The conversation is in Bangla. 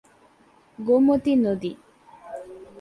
গোমতী নদী